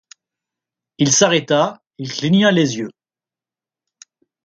Il s'arrêta, il cligna les yeux.